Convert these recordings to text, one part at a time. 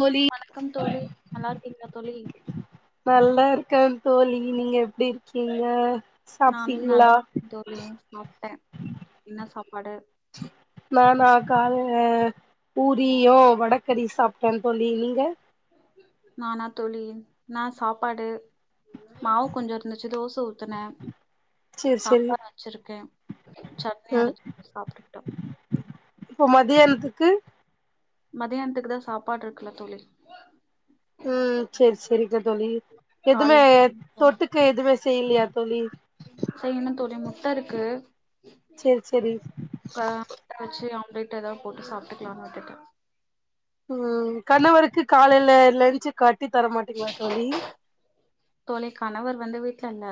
தோழி வணக்கம் தோழி நல்லா இருக்கீங்களா தோழி நல்லா இருக்கே தோழி நீங்க எப் ப்படி இருக்கீங்க நானு நல்லா சாப்பிட்டீங்களா இருக்கே தோழி சாப்ட்டே என்ன சாப்பாடு நானா காலை ஆ பூரியோ வடக்கறி சாப்ட்ட தோழி நீங்க நானா தோழி நா சாப்பாடு மாவு கொஞ்சு இருந்துச்சு தோச ஊத்துன சேரி சேரி சாம்பார் வச்சிருக்கே சட்னி ம் அரைச்சு சாப்டுட்ட இப்போ மதியானத்துக்கு மதியானத்துக்கு தா சாப்பாடு இருக்குல்ல தோழி ம்ம் சரி சரிங்க தோழி எதுமே கால்ல தொட்டுக்க எதுமே செய்யலையா தோழி செய்யன்னு தோழி முட்ட இருக்கு சேரி சேரி க முட்ட வச்சு ஆம்லேட் எதா போட்டு சாப்ட்டுக்கலான் விட்டுட்ட ம் கணவருக்கு காலையில லஞ்சு கட் ட்டி தரமாட்டீங்களா தோழி தோழி கணவர் வந்து வீட்ல இல்ல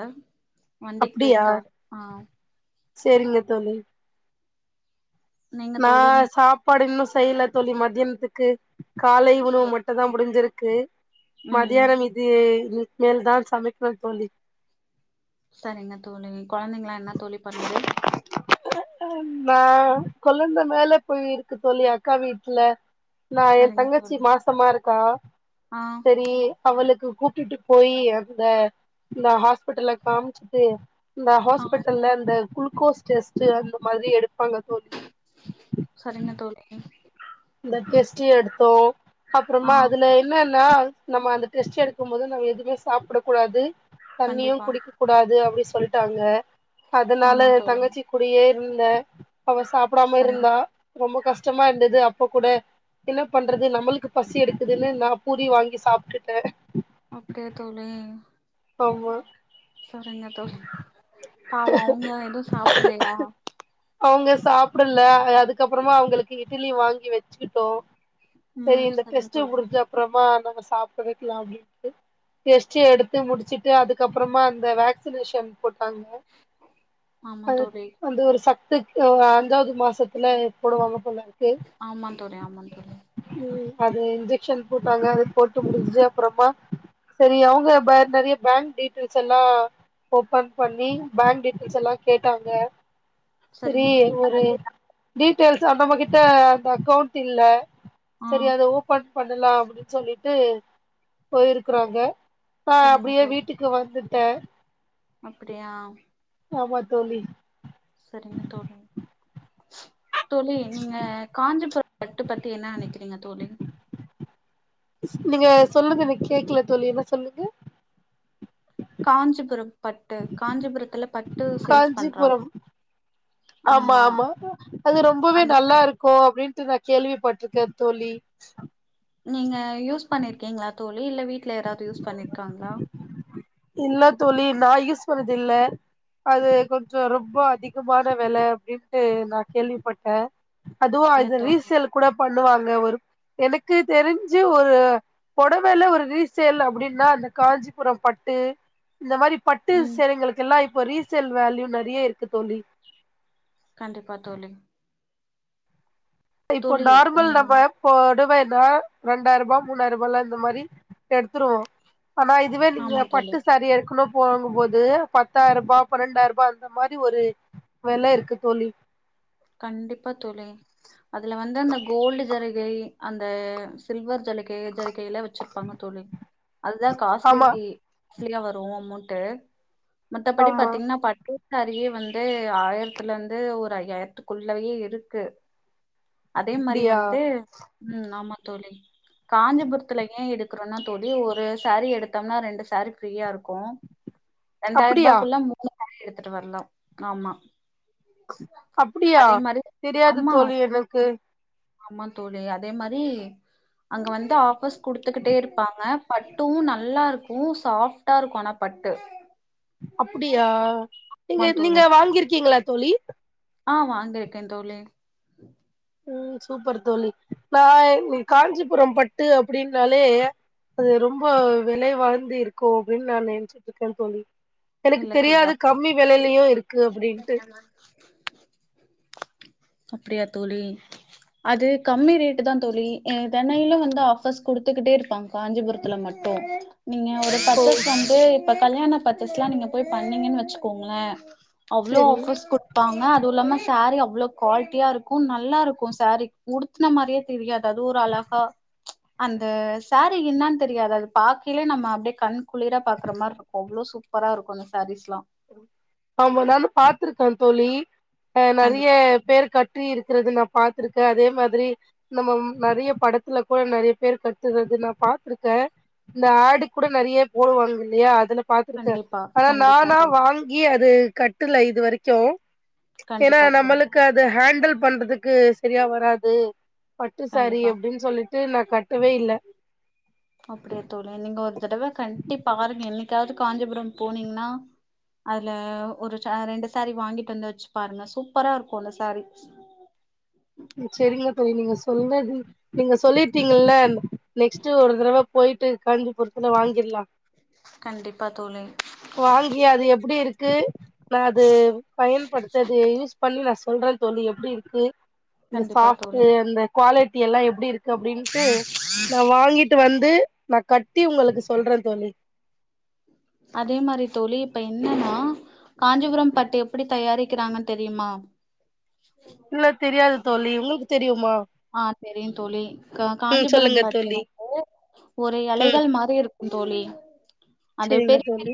வண்டிக்கு போயிருக்கரு ஆ சரிங்க தோழி நீங்க நா தோழி நீ சாப்பாடு இன்னு செயல தோழி மத்யனத்துக்கு காலை உணவு மட்டு தா முடிஞ்சிருக்கு ம் மதியானம் இது மேல் தா சமைகண்ணு தோழி சரிங்க தோழி கொழந்தைங்களா என்ன தோழி பண்ணுது ஆ கொழந்த மேல போயிருக்கு தோழி அக்கா வீட்ல நா ஏ சரிங்க தங்கச்சி தோழி மாசமா இருக்கா ஆ சரி அவளுக்கு கூட்டிட்டு போய் அந்த அந்த ஹாஸ்பட்டல காம்ச்சுட்டு இந் ஆ பட்டுல அந்த குழுக் கோஸ் டெஸ்ட் அந்த மாரி எடு ப்பாங்க தோழி சரிங்க தோழி அந்த டேஸ்ட் எடுத்தோ ஆ அப்பறமா அதுல என்ன நா நம்ம அந்த டெஸ்ட் எடுக்கும் போது நம்ம எதுமே செ சாப்ட கூடாது தண்ணியு கண்டிப்பா குடிக்க கூடாது அப்டி சொ சொல்டாங்க அதனால ஆமா தோழி தங்கச்சிக்குடயே இந்த அவ சாப்பிடாம சரிங்க இருந்தா ரொம்ப கஷ்டமா இருந்தது அப் அப்ப கூட என்ன பண்றது நம்மளுக்கு பசி எடுக்குதுன்னு நா பூரி வாங்கி சாப்டுட்ட அப்படியா தோழி ஆமா செரிங்க தோழி பாவோ அவங்க எதுவு சாப்பிடலையா சாப்பிடல அதுக்கப்பறமா அவங்களுக்கு இட்லி வாங்கி வெச்சிகிட்டோ சரி ம் இந்த சரிங்க டெஸ்ட்ட் தோழி முடிஞ்ச அப்புறமா நா சாப்டுருக்கலா அப்டின்டு டெஸ்ட் எடுத்து முடிச்சுட்டு அதுக்கப்பறமா அந்த வேக்சினேஷன் போட்டாங்க ஆமா அது தோழி வந்து ஒரு ச துக் அ அஞ்சாவது மாசத்துல போடுவாங்க போல ஆமா தோழி ஆமா தோழி இன்ஜெக்க்ஷன் போட்டாங்க அது போட்டு முடிஞ்சிச்சு அப்பறமா சரி அவங்க ப நெறைய பேங்க் டீட்டெயில்ஸ் எல்லா ஓப்பன் பண்ணி பேங்க் டீட்டெயில்ஸ் எல்லா கேட்டாங்க சரிங்க செரி தோழி ஒரு இப்பதான் கேட்டா- டீடெயல்ஸ் நம்மகிட்ட அந்த அக்கௌண்ட் இல்ல ஆ சரி அத ஓப்பன் பண்ணலா அப்டின்னு சொல்லிட்டு போயிருக்குறாங்க ப்பா சரிங்க அப்டியே தோழி வீட்டுக்கு வந் த அப்டியா ஆமா தோழி சரிங்க தோழி தோழி நீங்க காஞ்சிபுரம் பட்டு பத்தி என்னா நெனைக்கிறீங்க தோழி நீங்க சொல்லுங்க எனக் கேக்கல தோழி என்ன சொல்லுங்க காஞ்சிபுரம் பட்டு காஞ்சிபுரத்துல பட் ட்டு சேல்ஸ் பண்றாங்க காஞ்சிபுரம் ஆமா ஆமா அது ரொம்பவே அந்த நல்லா இருக்கோ அப்டின் நா கேள்விப்பட்டிருக்கே தோழி நீங்க யூஸ் பண்ணிருக்கீங்களா தோழி இல்ல வீட்டுல யாராவது யூஸ் பண்ணிர்காங்ளா இல்ல தோழி நா யூஸ் பண்ணதில்ல அது கொஞ்சோ ரொம்ப அதிகமான வெல அப்டின்ட்டு நா கேள்விப்பட்டே அதுவு இல்ல அத தோழி ரீசேல் கூட பண் பண்ணுவாங்க ஒர் எனக்கு தெரிஞ்சு ஒரு பொடவேல ஒரு ரீசேல் அப்டின்னா அந்த காஞ்சிபுரோ பட் ட்டு இந்த மாரி பட்டு ம் சேலைங்களுக் எல்லா இப் இப்போ ரீசேல் வால்யூ நறிய இருக்கு தோழி கண்டிப்பா தோலி இப்போ நார்மல் ம் நம்ம போடவே எ [unintelligible] ரெண்டாய்ருபா மூணாயிருபாலா இந்த மாரி எடுத்துருவோ ஆனா இதுவே ஆமா நீங்க தோழி பட்டு சாரி எடுக்கணு போகும்போது பத்தாய்ருபா பன்னெண்டாய்ருபா அந்த மாரி ஒரு வெல இருக்கு தோழி கண்டிப்பா தோழிஅதுல வந்தந்த கோல்டு ஜரிகை அந்த சில்வர் ஜலி கே ஜர்க்கையில வெச்ருப்பாங்க தோழி அதுதா காஸ்லி ஆமா ஸ்லியா வரு அமௌன்ட்டு மத்தபடி ஆமா பாத்தீங்ன்னா பட் சேரியே வந்து ஆய்ர்த்துலந்து ஒரு ஐய்யர்த்து குள்ளவே இருக்கு அதே மாரி அப்டியா வந்து உம் ஆமா தோழி காஞ்சிபுரத்துல ஏன் எடுக்றோன்னா தோழி ஒரு சாரீ எடுத்தோம்னா ரெண்டு சாரீ ஃப்ரீயா இர்க்கொ அப்டியா ரெண்டாய்ருபாக்குள்ள மூணு எடுத்துட்டு வர்லா ஆமா அப் அப்டியா அதே மாரி தெரியாது தோழி எனக்கு [inaudible] ஆமாங் தோழி அதே மாரி அங்க வந்து ஆஃபர்ஸ் குடுத்துக்கிட்டே இருப்பாங்க பட்டு நல்லா ருக்கூ சாஃப்ட்டா ருக்கூ ஆனா பட்டு அப்புடியா நீங்க ஆமா நீங்க தோழி. வாங்கிர்க்கிங்ல்ல தோழி ஆ வாங்கயிர்க்கே தோலி உனம் சூப்பர் தோலி நா ங் காஞ்சிபுரம் பட்டு அப்டின்னாலே அது ரொம்ப வெலை வாய்ந்து ருக்கோ அப்டின்னு நா நென்ச்சிட்ருக்கே தோழி எனக்கு இல்ல தெரியாது தோழி. கம்மி வெலலையு இருக்கு அப்டின்ட்டு அப்டியா தோழி அது கம்மி ரேட்டு தா தோழி ஏ தெனையிலு வந்து ஆஃபர்ஸ் குடுத்துக்கிட்டே இருப்பாங்க காஞ்சிபுரத்துல மட்டு நீங்க ஒரு ஓ பர்ச்சேஸ் வந்து ப்ப கல்யாணப் பத் [unintelligible] லா நீங்க போய் பண்ணீங்கன்னு வச்சிக்கோங்ள அவ்ளோ செரி ஆஃபர்ஸ் குட்ப்பாங்க அதுவுல்லாம தாரீ அவ்ளோ கொல்ட்டியார்க்கு நல்லார்க்கு சாரீ உடுத்ன மாரியே தெரியாது அது ஒர் அழகா ம்ச் அந்த சரீ இன்னான் தெரியாது அது பாக்கையிலே நம்ம அப்டியே கண் குளிர பாக்ற மார்ருக்கு அவளோ சுப் ப்பரா இருக்கு இந்த சாரீஸ்லா ஆமா நானு பாத்துருக்கே தோழி அ, நெறைய கண்டிப்பா தோழி பேர் கற்றி இருக்கிறது நாப் பாத்துருக்கே அதே மாதிரி நம்ம நெறைய படத்துல கூட நெறைய பேர் கத்துறது நா பாத்திருக்கே இந்த ஆடு கூட நெறைய போடுவாங்க இல்லையா அதுல பாத்திருக்கே கண்டிப்பா ஆனா கண்டிப்பா நானா தோழி வாங்கி அது கட்டுல இது வரைக்கு. ஏன்னா கண்டிப்பா தோழி நம்மளுக்கு அது ஹண்ட் ண்டல் பண்றதுக்கு சரியா வராது. பட்டு சாரி கண்டிப்பா அப்டின்னு சொல்லிட்டு நா கட்டவே இல்ல அப்படியே தோழி நீங்க ஒரு தடவ கண்டி பாருங்க இன்னைக் [unintelligible] வது காஞ்சிபுரம் போனீங்கன்னா அதுல ஒரு ரெண்டு சாரீ வாங்கிட்டு வந்து வச்சு பாருங்க சூப்பரா இருக்கு அந்த சாரீஸ் ம் செரிங்க தோழி நீங்க சொன்னது நீங்க சொல்லிட்டீங்கல்ல நெக்ஸ்ட்டு ஒரு தடவ போயிட்டு காஞ்சிபுரத்துல வாங்கிடலா. கண்டிப்பா தோழி வாங்கிய அது எப்டி இருக் க்கு நாது பயன்படுத்தத்து யூஸ் பண்ணி நா ஸ் சொல்றே தோழி எப்டி இருக்கு இந்த கண்டிப்பா சாஃப்ட்டு தோழி அந்த குவாலிட் டியேல்லா எப் அப்டி இருக்கு அப்டின்ட்டு நா வாங்கிட்டு வந் து நா கட்டி உங்களுக்கு சொல்றே தோழி. அதே மாரி தோழி இப்ப என்னன்னா காஞ்சிபுரம் பட்டு எப்டி தயாரிக்கிறாங்கன்னு தெரியுமா. இல்ல தெரியாதுத் தோழி உங்களுக்கு தெரியுமா. ஆ, தெரியு தோழி க ம் காஞ்சிபுரம் சொல்லுங்க பட்டு தோழி வந்து ஒரு ம் எலைகள் மாரி இருக் ந்தோழி செரிங்க தோழி.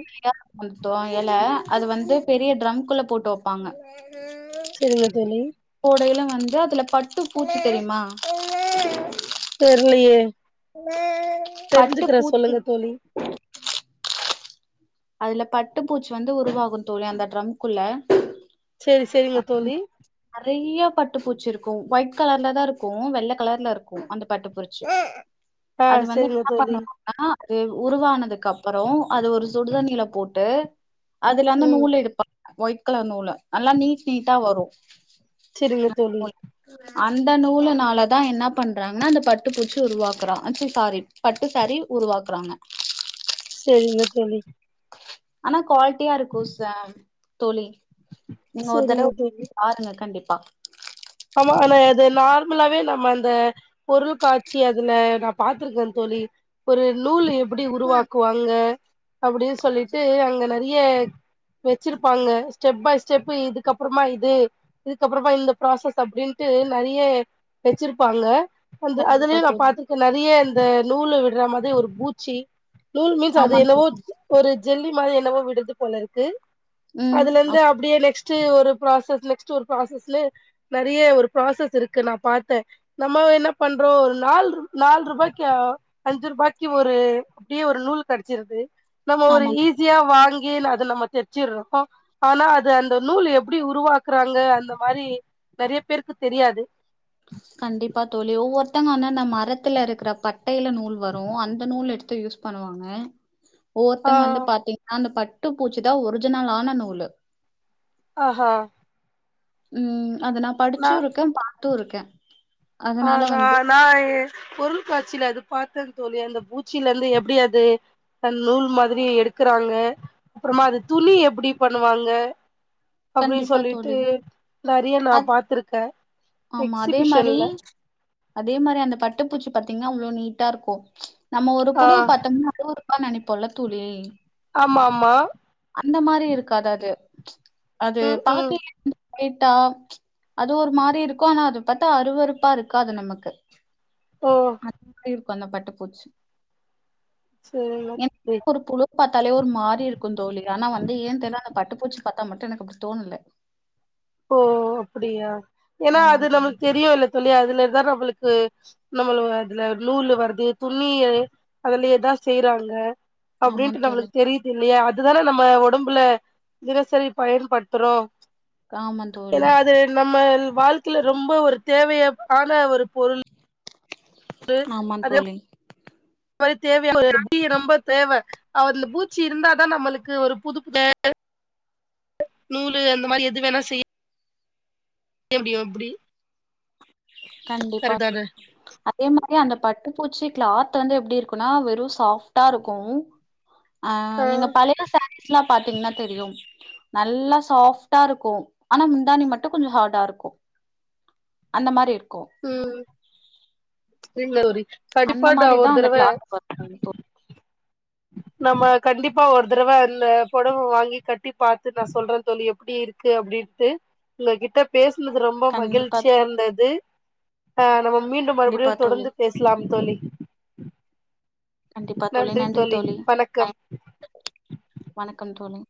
[unintelligible] எல அது வந்து பெரிய ட்ரம்குள்ள போட்டு வப்பாங்க. சரிங்க தோழி. [unintelligible] ல்ல வந்து அதுல பட்டு பூச்சு தெரியுமா தெர்லயே. பட்டு தெரிஞ்சுக்கிறே சொல்லுங்க பூச்சிருக் தோழி அதுல பட்டுப்பூச்சு வந்து உருவாகும் தோழி அந்த ட்ரம்குள்ள. செரி செரிங்க தோழி நெறைய பட்டு பூச்சிருக் ஒயிட் கலர்ல தா இருக்கோ வெள்ள கலர்ல இருக்கோ அந்த பட்டு பூச்சி ஆ அது வந்து செரிங்க என்ன தோழி பண்ணுவெம்னா உருவானதுக்கு அப்பறோ அது ஒரு சுடுதண்ணியில போட்டு அதுல வந்து ம் நூலெடுப்போ ஒயிட் கலர் நூலு நல்லா நீட் நீட்டா வரு சேரிங்க தோலி. அந்த நூலுனாலதா என்ன பண்றாங்கன்னா அந்த பட்டு பூச்சி உருவாக்குறோ ச்சி சாரி பட்டு சாரீ உருவாக்குறாங்க. சேரிங்க தோலி. ஆனா குவாலிட்டியா இருக்கோ சேம் தோலி. நீங்க ஒரு செரிங்க தடவ தோழி பாருங்க கண்டிப்பா. பா. ஆமா ஆனா அது நார்மலாவே நம்ம அந்த பொருள் காட்சி அதுல நா பாத்திருக்கே தோலி ஒரு நூலு. எப்டி உருவாக்குவாங்க அப்டின்னு சொல்லிட்டு அங்கநா. நெறைய வெச்சிருப்பாங்க ஸ்டெப் பை ஸ்டெபு இதுக்கப்புறமா இது இதுக்கப்புறமா இந்த ப்ராசஸ். அப்டின்ட்டு நறைய வெச்சிருப்பாங்க. அந்த கண்டிப்பா அதுலயு நா தோழி பாத்திருக்கே நறைய. இந்த நூலு விட்றா மாதி ஒரு பூச்சி. நூல் மீன்ஸ் அது ஆமா என்னவோ. தோழி ஒரு ஜெல்லி மாரி என்னவோ விடுது போலயிருக்கு. ம் அதுல இருந்து ஆமா அப்டியே நெக்ஸ்ட். டு ஒரு ப்ராசஸ் நெக்ஸ்ட் ஒரு ப்ராசஸ்லே நெறைய ஒரு ப்ராசஸ் இருக்கு நா பாத்தே நம்ம என்ன பண்றோ ஒரு நால்று நால் ரூபாய்க்கு அஞ்சு ரூபாய்க்கு ஒரு அப்டியே ஒரு நூல் கெடைச்சிருது. நம்ம ஒரு ஆமா தோழி. ஈஸியா வாங்கி நா அது நம்ம தெச்சிறோ ஆனா அது அந்த நூல் எப்டி உருவாக்குறாங்க அந்த மாரி நறைய பேருக்கு தெரியாது. கண்டிப்பா தோலி ஒவ்வொருத்தங்க ஆனா இந்த மரத்துல இருக்குற பட்டையில நூல் வரு அந்த நூல் எடுத்து யூஸ் பண்ணுவாங்க. ஆ ஒவ்வொருத்தவங்க வந்து பாத்தீங்கன்னா அந்த பட் பட்டு பூச்சிதா ஒரிஜினலான நூலு. ஆஹா. உம். அது நா படிச்சு இருக்கே பா. பாத்தூ இருக்கே. ஆஹ அதனால நா வந்து நா எ பொருள் காட்சில அதுப் பாத்தே தோலி அந்த பூச்சில இந்து எப்புடி அது அந்த நூல் மாதிரி எடுக்குறாங்க அப்புறமா அது துணி எப்புடி பண்ணுவாங்க. அப்புடி கண்டிப்பா சொல்லிட்டு. தோழி நறைய நா அ பாத்துருக்க ஆமா அதே மாரி எக்ஸிபிஷன்ல. அதே மாரி அந்த பட்டுப்பூச்சி பாத்தீங்கனா அவ்வளோ நீட்டா இருக்கோ ச். நம்ம ஒரு ஆ புழு பார்த்தோம்னா அது ஒரு. அதா நெனைப்போல துலி. ஆமா ஆமா அந்த மாரி இருக்காது அது. அது ம் ம் பாக்க [unintelligible] இப் தா ச் அது ஒரு மாரி இருக்கோ ஆனா அத பாத்தா அறுவறுப்பா இருக்காது நமக்கு ஓ [unintelligible] கொஞ்சோ பட்டு போச்சு சரிங்க தோழி [unintelligible] ஒரு புழு பாத்தாலே ஒரு மாரி இருக்கோ தோலி ஆனா வந்து ஏ தெரிய அந்த பட்டுப்பூச்சி பாத் தா மட்டோ எனக்கு அப்டி தோணல ஓ அப்புடியா ஏன்னா ஆமா அது தோழி நமக்கு தெரியோல தோலி அதுலதா நம்மளுக் அ நம்மள அதுல நூல்ல வருது துண்ணி அதுலுயேதா செய்றாங்க ஆமா அப்டின்ட்டு தோழி நம்முளுக்கு தெரியுது இல்லயா இதுதான நம்ம ஒடம்புல தினசரி பயன்படுத்துறோ ஆமா தோழி ஏன்னா அது நம்ம எ வாழ்க்கைல ரொம்ப ஒரு தேவயான ஒரு பொருள் ஆமா தோலி அது தேவயா [unintelligible] ரொம்ப தேவ அதுல பூச்சி இருந்தாதா நம்மளுக்கு ஒரு புது பு நூலு அந்த மாரி எது வேணா செய்ய செய்யமுடியோ எப்டி கண்டிப்பா [unintelligible] அதே மாரி அந்த பட்டு பூச்சி கிளாத் வந்து எப்டியிருக்குனா வெறும் சாஃப்டா இருக்கோ ஆ நீங்க பழய சா ஸ்ல்லா பாதீங்னா தெரியோ நல்லா சாஃப்டா இருக்கோ ஆனா முந்தாணி மட்டும் கொஞ்சோ ஹார்டா இருக்கோ அந்த மாரி இருக் ம் [unintelligible] அந்த நா மாரிதா ஒரு அந்த தடவ கிளாத் [unintelligible] நம்ம கண்டிப்பா ஒரு தடவ இந்த பொடவ வாங்கி கட்டி பாத்து நா சொல்ற தோழி எப்டி இருக்கு அப்டின்ட்டு உங்ககிட்ட பேச இது ரொம்ப கண்டிப்பா மகிழ்ச்சியா இர்ந்தது ஆ நம மீண்டும் கண்டிப்பா மறுபடியும் தோழி தொடர்ந்து பேசலாம் தோழி கண்டிப்பா தோழி நன்றி தோழி வணக்கம் தோழி